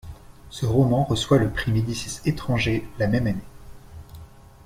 Ce roman reçoit le prix Médicis étranger la même année.